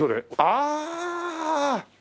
ああ！